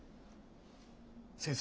先生。